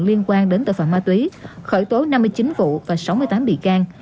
liên quan đến tội phạm ma túy khởi tố năm mươi chín vụ và sáu mươi tám bị can